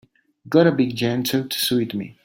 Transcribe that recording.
Gotta be gentle to suit me.